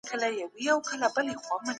که ازادي نه وای، خلګو به څنګه عبادت کاوه؟